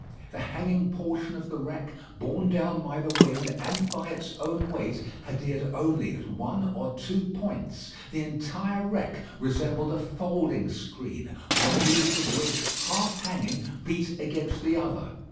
The hanging portion of the wreck, borne down by the wind and by its own weight, adhered only at one or two points. The entire wreck resembled a folding screen, one leaf of which, half hanging, beat against the other.